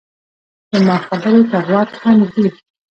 زما خبرې ته غوږ هم ږدې